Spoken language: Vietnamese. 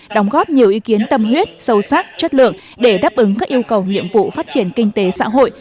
đóng góp nhiều ý kiến tâm huyết sâu sắc chất lượng để đáp ứng các yêu cầu nhiệm vụ phát triển kinh tế xã hội